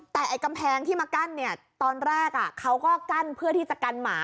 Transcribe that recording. แต่ไอ้กำแพงที่มากั้นเนี่ยตอนแรกเขาก็กั้นเพื่อที่จะกันหมา